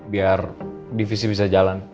biar divisi bisa jalan